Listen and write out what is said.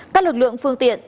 các lực lượng phương tiện